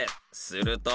［すると］